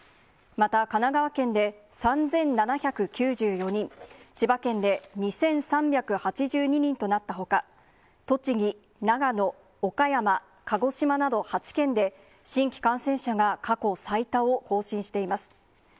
また、神奈川県で３７９４人、千葉県で２３８２人となったほか、栃木、長野、岡山、鹿児島など、８県で新規感染者が過去最多を更新しています。